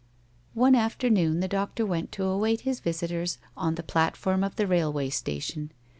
One afternoon the doctor went to await his visitors on the platform of the railway station.